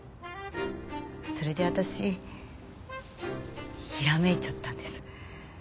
それで私ひらめいちゃったんです。